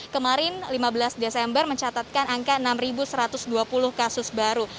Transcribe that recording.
kemarin lima belas desember mencatatkan angka enam satu ratus dua puluh kasus baru